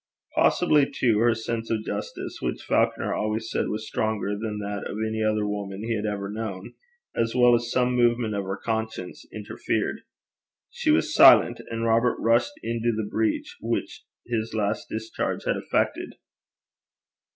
Possibly too her sense of justice, which Falconer always said was stronger than that of any other woman he had ever known, as well as some movement of her conscience interfered. She was silent, and Robert rushed into the breach which his last discharge had effected.